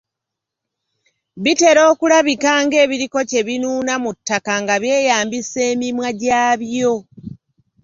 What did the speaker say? Bitera okulabika ng'ebiriko kye binuuna mu ttaka nga byeyambisa emimwa gyabyo .